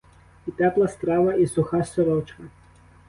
І тепла страва і суха сорочка!